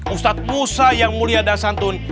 ustadz musa yang mulia dasantun